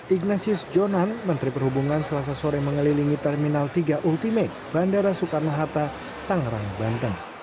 ignasius jonan menteri perhubungan selasa sore mengelilingi terminal tiga ultimate bandara soekarno hatta tangerang banten